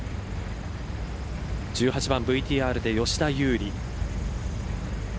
１８番、ＶＴＲで吉田優利。